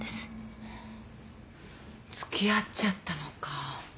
付き合っちゃったのか。